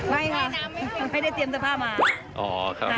ไม่ค่ะไม่ได้เตรียมสภาพมา